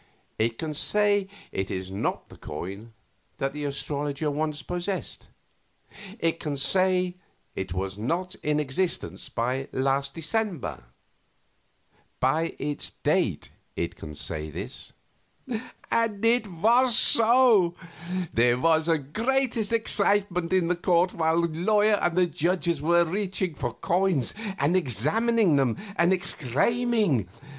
"It can say it is not the coin that the astrologer once possessed. It can say it was not in existence last December. By its date it can say this." And it was so! There was the greatest excitement in the court while that lawyer and the judges were reaching for coins and examining them and exclaiming.